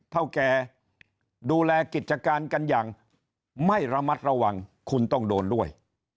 เท่าแก่ดูแลกิจการกันอย่างไม่ระมัดระวังคุณต้องโดนด้วย